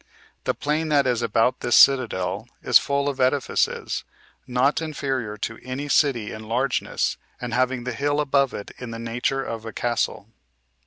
The plain that is about this citadel is full of edifices, not inferior to any city in largeness, and having the hill above it in the nature of a castle.